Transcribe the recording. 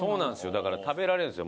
だから食べられるんですよ